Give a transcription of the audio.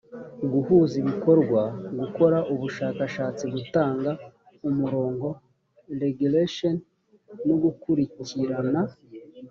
guhuza ibikorwa gukora ubushakashatsi gutanga umurongo regulation no gukurikirana